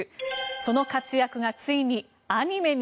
その活躍が、ついにアニメに。